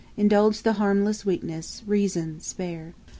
Indulge the harmless weakness. Reason, spare.